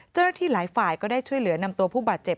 เจ้าหน้าที่หลายฝ่ายก็ได้ช่วยเหลือนำตัวผู้บาดเจ็บ